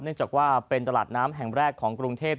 จากว่าเป็นตลาดน้ำแห่งแรกของกรุงเทพ